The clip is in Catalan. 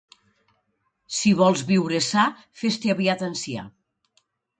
Si vols viure sa, fes-te aviat ancià.